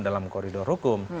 dalam koridor hukum